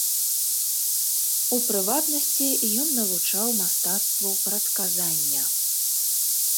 У прыватнасці ён навучаў мастацтву прадказання.